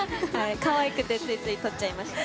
可愛くてついつい撮っちゃいました。